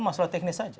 masalah teknis saja